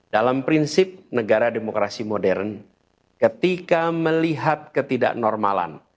dalam prinsip negara demokrasi modern ketika melihat ketidaknormalan